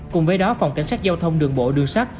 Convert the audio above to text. cùng với đó phòng cảnh sát giao thông đường bộ đường sắt